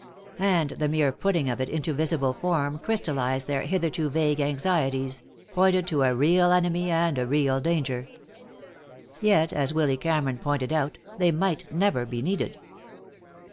And the mere putting of it into visible form crystallized their hitherto vague anxieties, pointed to a real enemy and a real danger. Yet, as Willy Cameron pointed out, they might never be needed.